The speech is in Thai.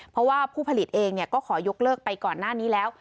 เพราะว่าผู้ผลิตเองก็ขอยกเลิกไปก่อนหน้านี้แล้ว